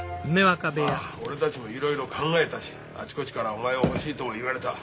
まあ俺たちもいろいろ考えたしあちこちからお前を欲しいとも言われた。